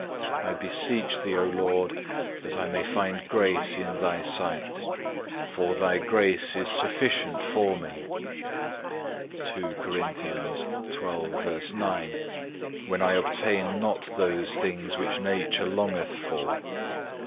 I beseech thee, O Lord, that I may find grace in Thy sight, for Thy grace is sufficient for me,(4) when I obtain not those things which Nature longeth for.